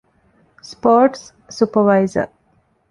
ސްޕޯރޓްސް ސުޕަރވައިޒަރ